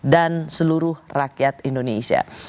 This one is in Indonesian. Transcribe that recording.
dan seluruh rakyat indonesia